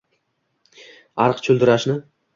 ariq chuldirashni